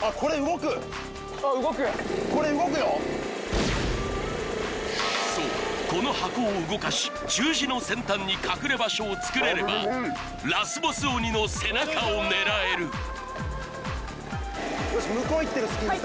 あっ動くそうこの箱を動かし十字の先端に隠れ場所を作れればラスボス鬼の背中を狙える行ってください